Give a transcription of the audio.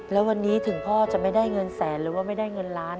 แล้ววันนี้ถึงพ่อจะไม่ได้เงินแสนหรือว่าไม่ได้เงินล้าน